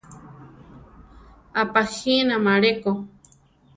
Apajínama aleko.